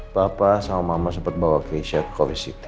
papa sama mama sempat bawa keisah ke covid city